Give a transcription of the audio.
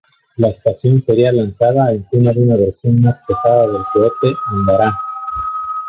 La estación sería lanzada encima de una versión más pesada del Cohete Angará.